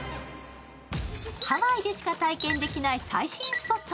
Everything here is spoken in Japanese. ハワイでしか体験できない最新スポット。